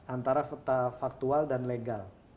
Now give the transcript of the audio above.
antara fakta faktual dan legal